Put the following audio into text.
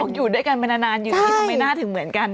อยู่ด้วยกันมานานอยู่ดีทำไมหน้าถึงเหมือนกัน